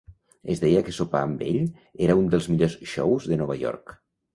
Es deia que sopar amb ell era un dels millors shows de Nova York.